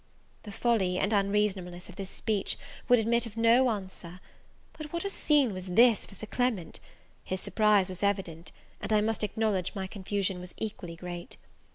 The folly and unreasonableness of this speech would admit of no answer. But what a scene was this for Sir Clement! his surprise was evident; and I must acknowledge my confusion was equally great.